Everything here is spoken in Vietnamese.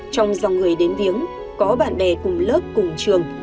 trong dòng người đến viếng có bạn bè cùng lớp cùng trường